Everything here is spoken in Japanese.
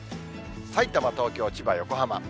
さいたま、東京、千葉、横浜。